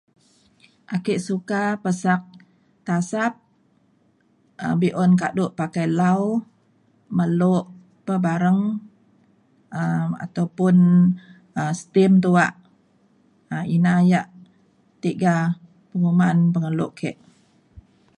ake suka pesak tasap um be'un kado pakai lau melok pa bareng um ataupun um stim tuak um ina ia' tiga penguman pengelo ke